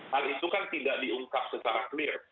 hal itu kan tidak diungkap secara clear